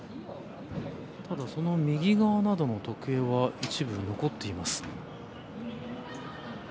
ただ、その右側の時計は一部残っています。